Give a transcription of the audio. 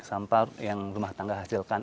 sampah yang rumah tangga hasilkan